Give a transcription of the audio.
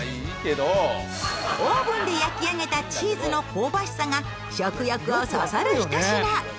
オーブンで焼き上げたチーズの香ばしさが食欲をそそるひと品。